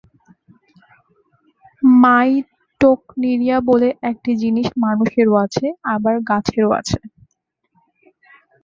মাইটোকনিড়িয়া বলে একটি জিনিস মানুষেরও আছে, আবার গাছেরও আছে।